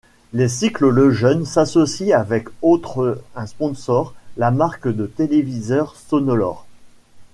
Les cycles Lejeune s'associent avec autre un sponsor, la marque de téléviseurs Sonolor.